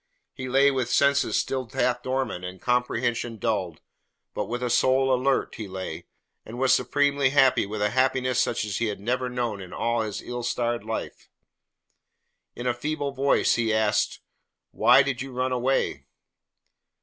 He lay with senses still half dormant and comprehension dulled, but with a soul alert he lay, and was supremely happy with a happiness such as he had never known in all his ill starred life. In a feeble voice he asked: "Why did you run away?"